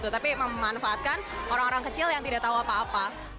tapi memanfaatkan orang orang kecil yang tidak tahu apa apa